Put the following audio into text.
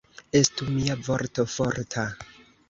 Estu mia vorto forta!